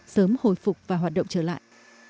sớm hồi phục và hoạt động trở lại